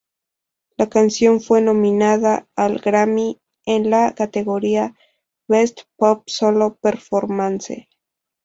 La canción fue nominada al Grammy en la categoría "Best Pop Solo Performance".